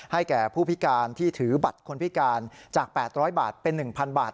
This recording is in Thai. แก่ผู้พิการที่ถือบัตรคนพิการจาก๘๐๐บาทเป็น๑๐๐บาท